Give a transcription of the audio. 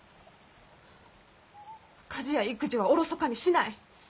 家事や育児はおろそかにしない。